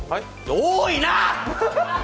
多いな！